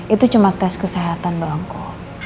itu cuma tes kesehatan doang kok